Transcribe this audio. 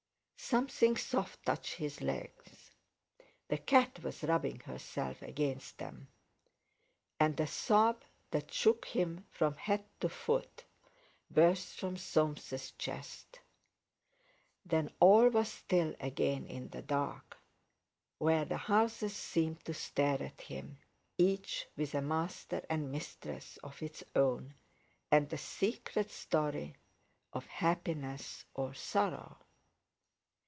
Something soft touched his legs, the cat was rubbing herself against them. And a sob that shook him from head to foot burst from Soames' chest. Then all was still again in the dark, where the houses seemed to stare at him, each with a master and mistress of its own, and a secret story of happiness or sorrow.